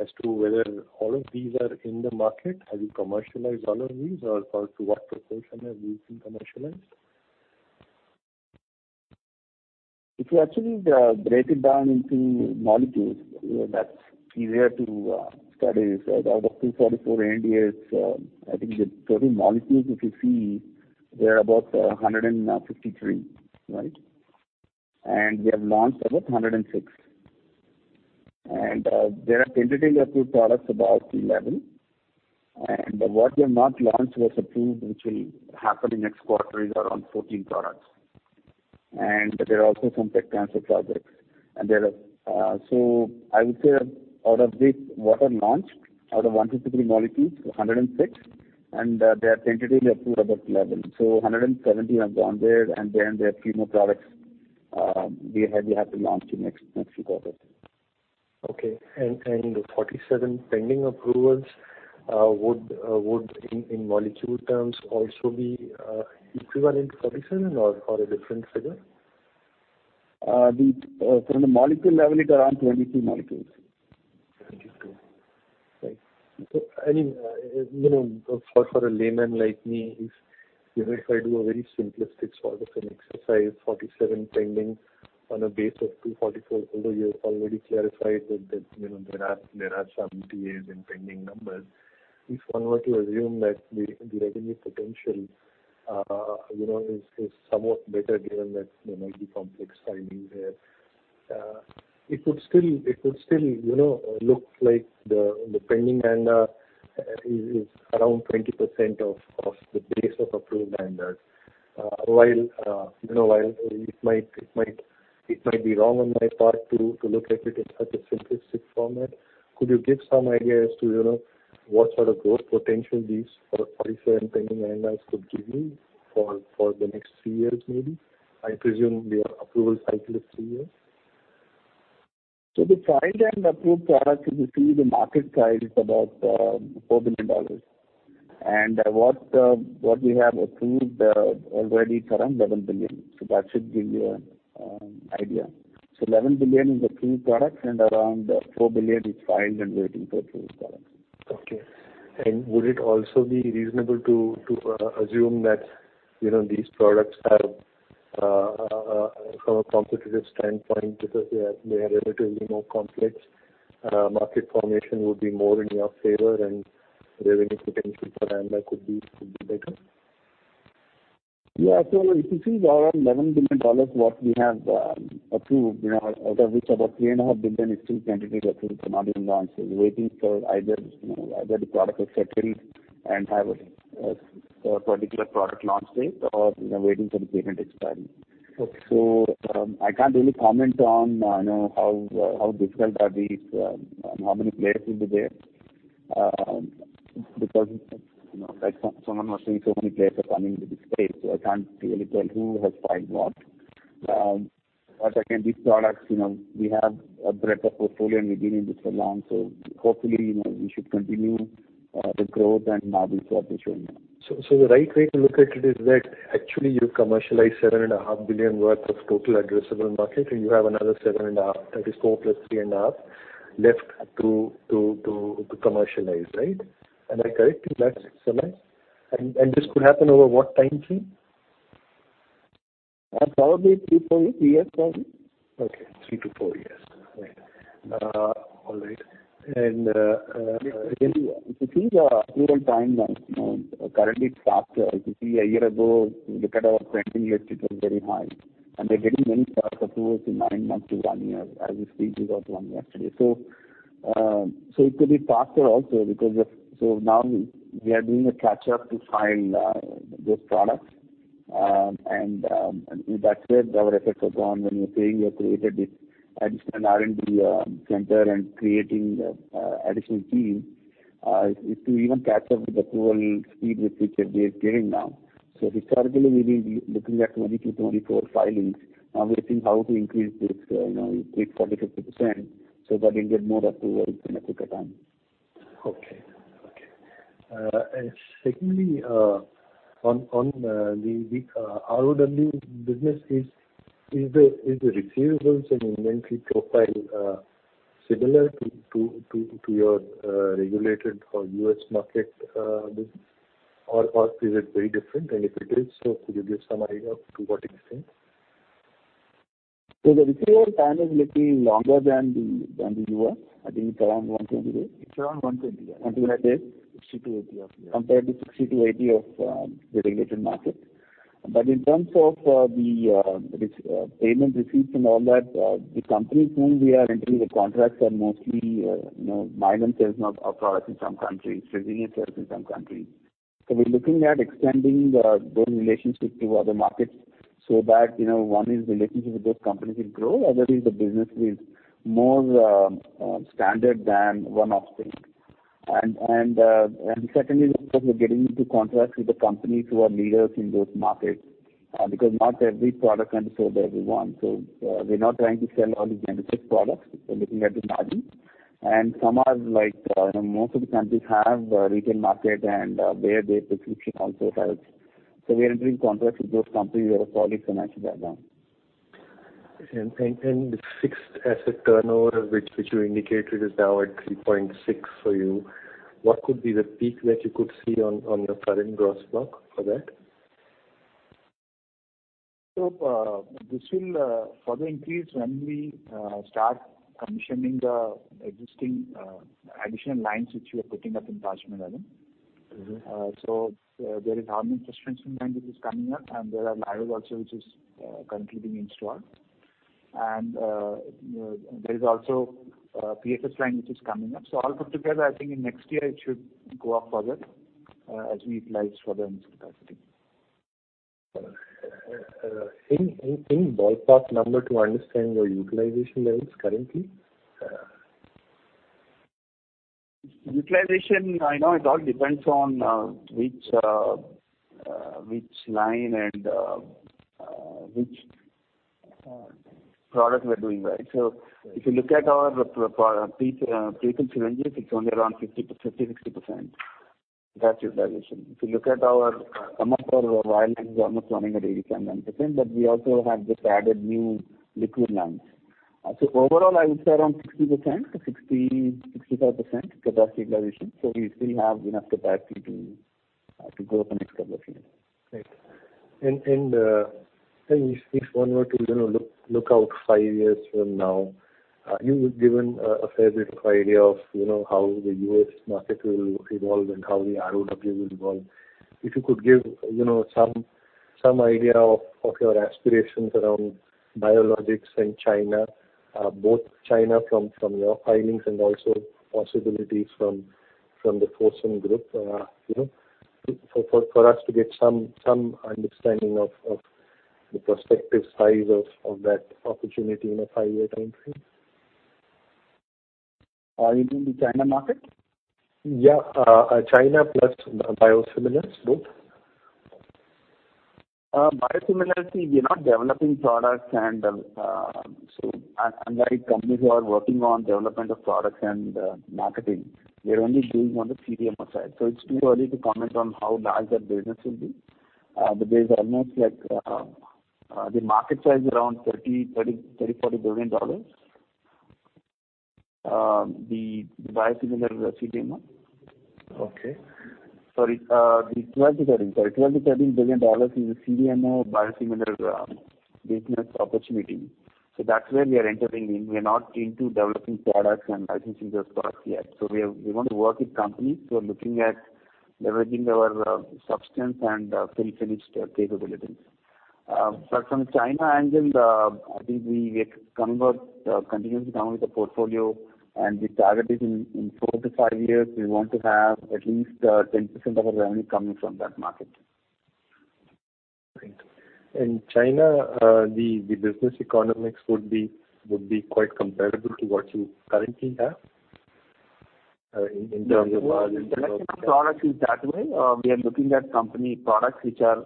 as to whether all of these are in the market? Have you commercialized all of these, or to what proportion have these been commercialized? If you actually break it down into molecules, that's easier to study. Out of 244 ANDAs, I think the total molecules, if you see, they're about 153. Right? We have launched about 106. There are tentatively approved products, about 11. What we have not launched was approved, which will happen in next quarter, is around 14 products. There are also some tech transfer projects. I would say, out of this, what are launched, out of 153 molecules, 106. They are tentatively approved, about 11. 117 have gone there, and then there are few more products we have to launch in next few quarters. Okay. The 47 pending approvals would in molecule terms also be equivalent, 47 or a different figure? From the molecule level, it around 22 molecules. Right. For a layman like me, if I do a very simplistic sort of an exercise, 47 pending on a base of 244, although you have already clarified that there are some ANDAs in pending numbers. If one were to assume that the revenue potential is somewhat better given that there might be complex filings there, it would still look like the pending ANDA is around 20% of the base of approved ANDAs. It might be wrong on my part to look at it in such a simplistic format. Could you give some idea as to what sort of growth potential these 47 pending ANDAs could give you for the next three years, maybe? I presume their approval cycle is three years. The filed and approved products, if you see, the market size is about $4 billion. What we have approved already is around $11 billion. That should give you an idea. $11 billion is approved products, and around $4 billion is filed and waiting for approved products. Okay. Would it also be reasonable to assume that these products have, from a competitive standpoint, because they are relatively more complex, market formation would be more in your favor, and revenue potential for ANDA could be better? Yeah. If you see around INR 11 billion what we have approved, out of which about 3.5 billion is still tentatively approved and not even launched. It's waiting for either the product to settle and have a particular product launch date or waiting for the patent expiry. Okay. I can't really comment on how difficult are these, how many players will be there. Like someone was saying, so many players are coming into this space, so I can't really tell who has filed what. Again, these products, we have a breadth of portfolio and we're getting into the launch. Hopefully, we should continue the growth and margins what we're showing now. The right way to look at it is that actually you've commercialized $7.5 billion worth of total addressable market, and you have another $7.5, that is four plus three and a half, left to commercialize, right? Am I correct in that assessment? This could happen over what time frame? Probably three, four years. Three years probably. Okay. three-four years. Right. All right. If you see the approval time currently it's faster. If you see a year ago, if you look at our pending list, it was very high, and we're getting many approvals in nine months to one year as we speak. We got one yesterday. It could be faster also. Now we are doing a catch up to file those products. That's where our efforts are gone. When you're saying we have created this additional R&D center and creating additional teams, is to even catch up with the overall speed with which they are clearing now. Historically, we've been looking at 20-24 filings. Now we're seeing how to increase this 40%-50%, so that we get more approvals in a quicker time. Okay. Secondly, on the ROW business, is the receivables and inventory profile similar to your regulated or U.S. market business? Is it very different? If it is, could you give some idea of to what extent? The receivable time is little longer than the U.S. I think it's around 120 days. It's around 120, yeah. 120 days. 60 to 80 of there. Compared to 60%-80% of the regulated market. In terms of the payment receipts and all that, the companies whom we are entering the contracts are mostly buy and sell of our products in some countries, resilient sales in some countries. We're looking at extending those relationships to other markets so that, one is relationship with those companies will grow. Other is the business is more standard than one-off thing. Secondly, because we're getting into contracts with the companies who are leaders in those markets, because not every product can be sold everywhere. We're not trying to sell all the generic products. We're looking at the margin. Some are like, most of the countries have retail market and there the prescription also helps. We are entering contracts with those companies who have solid financial background. The fixed asset turnover, which you indicated is now at 3.6 for you. What could be the peak that you could see on your current gross block for that? This will further increase when we start commissioning the existing additional lines which we are putting up in Rajendranagar. There is hormone substance line which is coming up, and there are lyos also which is currently being installed. There is also a PFS line which is coming up. All put together, I think in next year it should go up further as we utilize further installed capacity. Any ballpark number to understand your utilization levels currently? Utilization, I know it all depends on which line and which product we are doing, right. If you look at our pre-filled syringes, it's only around 50%-60% capacity utilization. If you look at our, some of our lines are almost running at 80%-90%, but we also have just added new liquid lines. Overall, I would say around 60%-65% capacity utilization. We still have enough capacity to grow the next couple of years. Right. If one were to look out 5 years from now, you've given a fair bit of idea of how the U.S. market will evolve and how the ROW will evolve. If you could give some idea of your aspirations around biologics in China, both China from your filings and also possibilities from the Fosun Pharma, for us to get some understanding of the prospective size of that opportunity in a 5-year time frame? You mean the China market? Yeah. China plus biosimilars, both. Biosimilar, see, we are not developing products. Unlike companies who are working on development of products and marketing, we are only doing on the CDMO side. It's too early to comment on how large that business will be. But there's almost like, the market size around $30 billion-$40 billion. The biosimilar CDMO. Okay. Sorry. The $12 billion-$13 billion is a CDMO biosimilar business opportunity. That's where we are entering in. We are not into developing products and licensing those products yet. We want to work with companies who are looking at leveraging our substance and fill-finished capabilities. From China angle, I think we get continuously down with the portfolio, and the target is in four-five years, we want to have at least 10% of our revenue coming from that market. Great. In China, the business economics would be quite comparable to what you currently have in terms of margins? No. Well, in selection of products is that way. We are looking at company products which are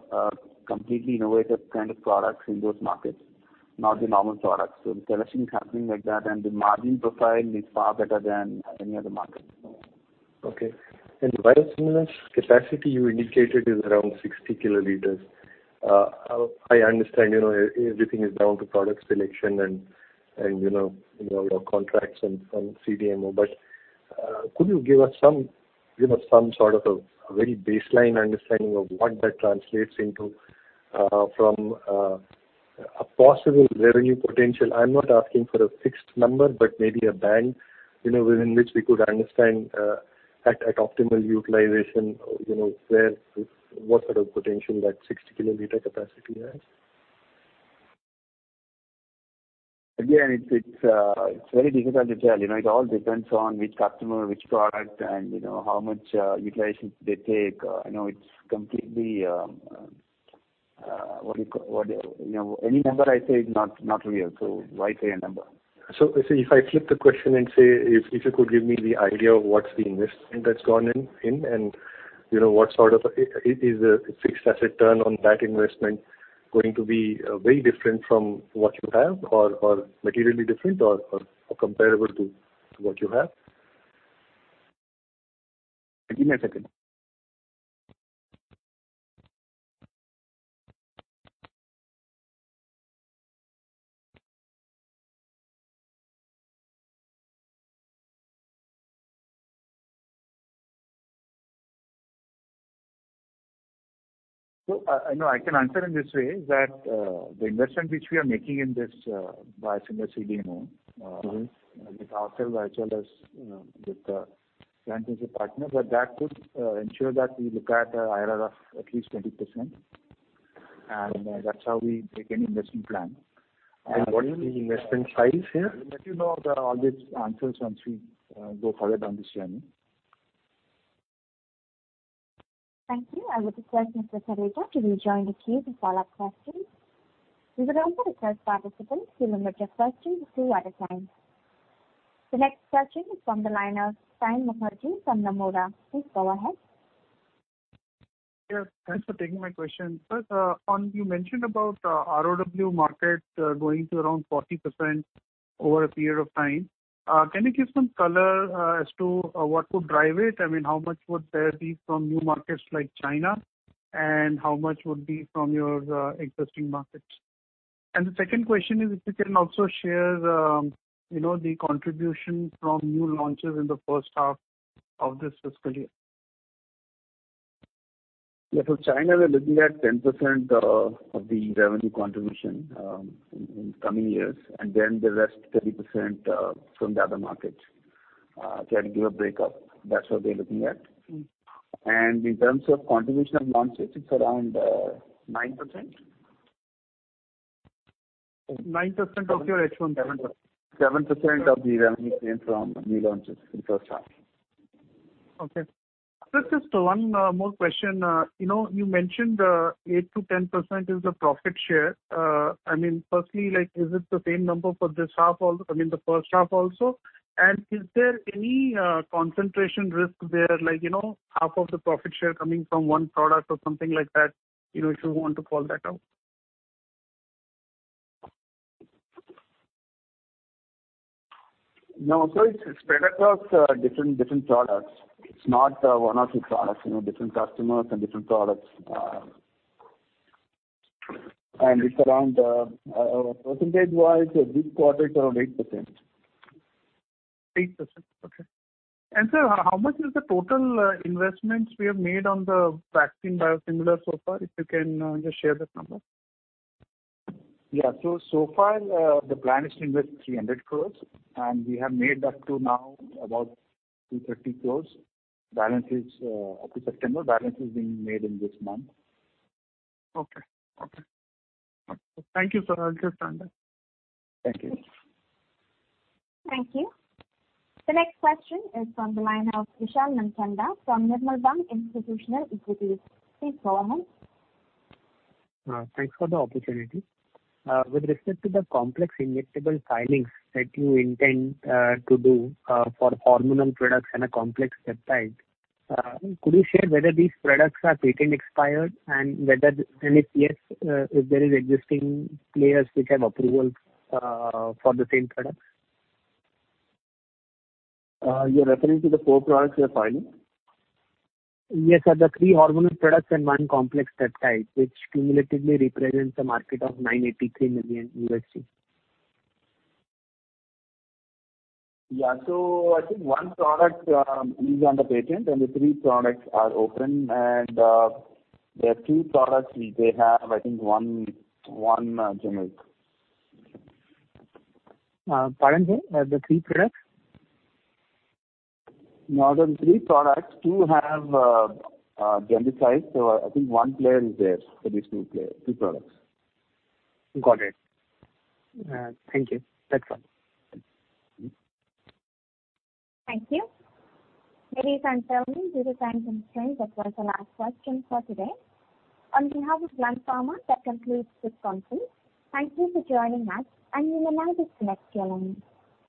completely innovative kind of products in those markets, not the normal products. The selection is happening like that, and the margin profile is far better than any other market. Okay. The biosimilars capacity you indicated is around 60 kiloliters. I understand everything is down to product selection and all your contracts and CDMO, but could you give us some sort of a very baseline understanding of what that translates into, from a possible revenue potential? I'm not asking for a fixed number, but maybe a band within which we could understand, at optimal utilization, what sort of potential that 60-kiloliter capacity has. It's very difficult to tell. It all depends on which customer, which product, and how much utilization they take. Any number I say is not real, so why say a number? If I flip the question and say, if you could give me the idea of what's the investment that's gone in and is a fixed asset turn on that investment going to be very different from what you have, or materially different, or comparable to what you have? Give me a second. I can answer in this way, that the investment which we are making in this biosimilar CDMO. With ourselves, as well as with the strategic partner, but that could ensure that we look at a IRR of at least 20%, and that's how we take any investment plan. What's the investment size here? I'll let you know all these answers once we go forward on this journey. Thank you. I would request Mr. Khareja to rejoin the queue for follow-up questions. We would also request participants to limit your questions to two at a time. The next question is from the line of Saion Mukherjee from Nomura. Please go ahead. Yes, thanks for taking my question. Sir, you mentioned about ROW market going to around 40% over a period of time. Can you give some color as to what would drive it? How much would there be from new markets like China, and how much would be from your existing markets? The second question is, if you can also share the contribution from new launches in the first half of this fiscal year. Yes. China, we're looking at 10% of the revenue contribution in coming years, the rest 30% from the other markets. If I had to give a breakup, that's what we're looking at. In terms of contribution of launches, it's around nine percent. nine percent of your H1?seven percent? Seven percent of the revenue came from new launches in first half. Okay. Sir, just one more question. You mentioned eight-ten percent is the profit share. Is it the same number for the first half also, and is there any concentration risk there, like half of the profit share coming from one product or something like that, if you want to call that out? No, sir. It's spread across different products. It's not one or two products. Different customers and different products. It's around, percentage-wise, this quarter, it's around eight percent. Eight percent. Okay. Sir, how much is the total investments we have made on the vaccine biosimilar so far, if you can just share that number? Yeah. So far, the plan is to invest INR 300 crores, and we have made up to now about 230 crores. Up to September. Balance is being made in this month. Okay. Thank you, sir. I'll just end there. Thank you. Thank you. The next question is from the line of Vishal Nandkarni from Nirmal Bang Institutional Equities. Please go ahead. Thanks for the opportunity. With respect to the complex injectable filings that you intend to do for hormonal products and a complex peptide, could you share whether these products are patent expired, and if yes, if there is existing players which have approval for the same products? You're referring to the four products we are filing? Yes, sir. The three hormonal products and 1 complex peptide, which cumulatively represents a market of $983 million. Yeah. I think one product is under patent, and the three products are open, and there are two products, they have, I think, one generic. Pardon, sir. The three products? Out of the three products, two have genericized. I think one player is there for these two products. Got it. Thank you. That's all. Thank you. Ladies and gentlemen, due to time constraints, that was the last question for today. On behalf of Gland Pharma, that concludes this conference. Thank you for joining us, and you may now disconnect your lines.